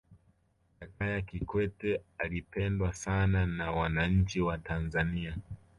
jakaya kikwete alipendwa sana na wananchi wa tanzania